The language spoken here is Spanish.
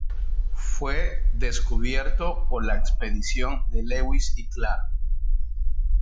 Fue descubierto por la expedición de Lewis y Clark.